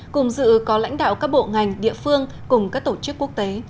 cùng dự có lãnh đạo các bộ ngành địa phương cùng các tổ chức quốc tế